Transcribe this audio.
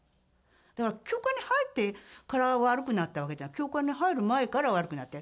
だから教会に入ってから悪くなったわけじゃなくて、教会に入る前から悪くなって。